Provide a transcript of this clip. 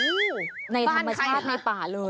อู้ววในธรรมชาติป่าเลย